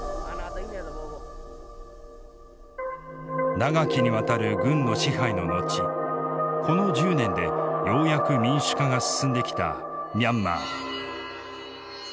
長きにわたる軍の支配の後この１０年でようやく民主化が進んできたミャンマー。